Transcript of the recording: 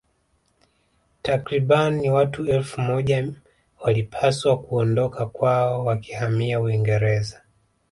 Takriban watu elfu moja walipaswa kuondoka kwao wakihamia Uingereza